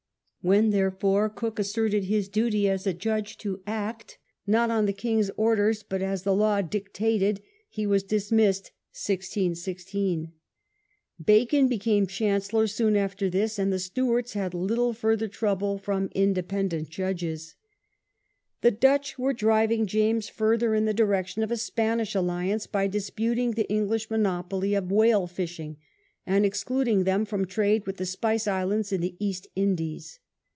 When, therefore. Coke asserted his duty as a judge to act, not on the king's orders, but as the law dictated, he was dismissed (1616). Bacon became Chancellor soon after this, and the Stewarts had little further trouble from independent judges. The Dutch were driving James further in the direction 1 See page 10. 14 EXECUTION OF RALEIGH. of a Spanish alliance by disputing the English monopoly Fall of somer of whalc fishing, and excluding them from set. 1616. trade with the Spice Islands in the East Indies.